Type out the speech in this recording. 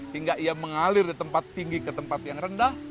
hingga ia mengalir di tempat tinggi ke tempat yang rendah